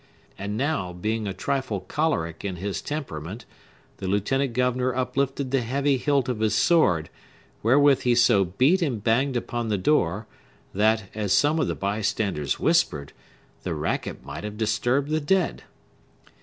And now, being a trifle choleric in his temperament, the lieutenant governor uplifted the heavy hilt of his sword, wherewith he so beat and banged upon the door, that, as some of the bystanders whispered, the racket might have disturbed the dead.